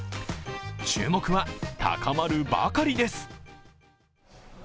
注目は高まるばかりです。